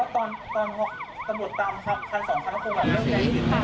แต่ไม่มีอะไรเลยนะ